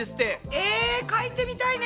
えかいてみたいね！